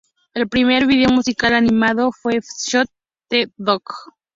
El primer video musical animado fue Shoot the Dog.